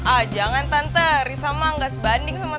ah jangan tante risa mah nggak sebanding sama tante